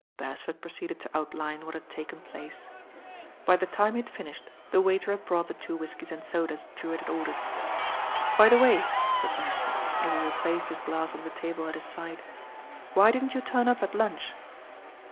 Beresford proceeded to outline what had taken f90 THE RAIN GIRL place. By the time he had finished the waiter had brought the two whiskies andsodas Drewitt had ordered. "By the way," said Beresford, as he replaced hit glass on the table at his side, "why didn't you turn up at lunch